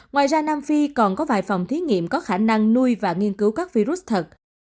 ngoài ra nam phi còn có vài phòng thí nghiệm có khả năng nuôi và nghiên cứu các virus thật